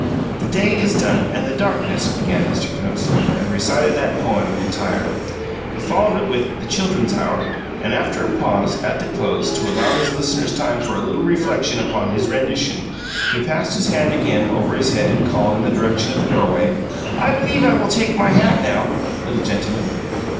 "'The day is done, and the darkness,'" began Mr. Kinosling and recited that poem entire. He followed it with "The Children's Hour," and after a pause, at the close, to allow his listeners time for a little reflection upon his rendition, he passed his handagain over his head, and called, in the direction of the doorway: "I believe I will take my hat now, little gentleman."